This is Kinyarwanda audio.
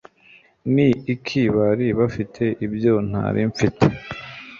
ni iki bari bafite ibyo ntari mfite